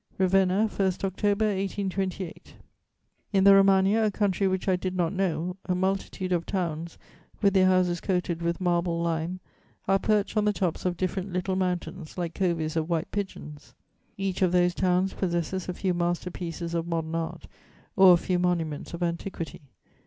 "RAVENNA, 1 October 1828. "In the Romagna, a country which I did not know, a multitude of towns, with their houses coated with marble lime, are perched on the tops of different little mountains, like coveys of white pigeons. Each of those towns possesses a few master pieces of modern art or a few monuments of antiquity.